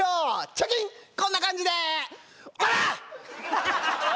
チョキンこんな感じでオラッ！